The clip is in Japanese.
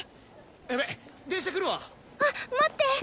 やべ電車来るわ！あっ待って！